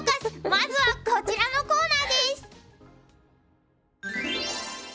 まずはこちらのコーナーです。